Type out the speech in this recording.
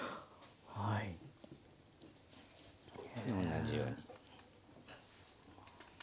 同じように。